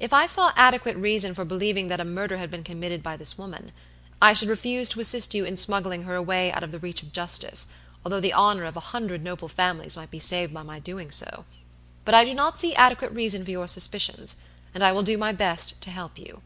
If I saw adequate reason for believing that a murder had been committed by this woman, I should refuse to assist you in smuggling her away out of the reach of justice, although the honor of a hundred noble families might be saved by my doing so. But I do not see adequate reason for your suspicions; and I will do my best to help you."